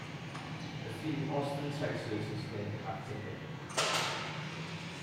A street in Austin, Texas is named after him.